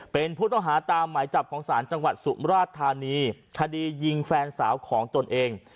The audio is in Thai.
เป็นผู้ต้องหาตามหมายจับของศาลจังหวัดสุมราชธานีคดียิงแฟนสาวของตนเอง